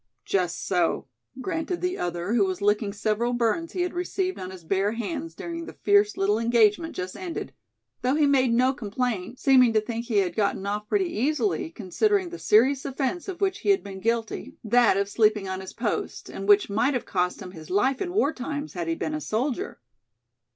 "Just so," grunted the other, who was licking several burns he had received on his bare hands during the fierce little engagement just ended, though he made no complaint, seeming to think he had gotten off pretty easily, considering the serious offense of which he had been guilty, that of sleeping on his post, and which might have cost him his life in war times, had he been a soldier.